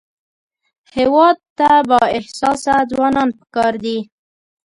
هېواد ته بااحساسه ځوانان پکار دي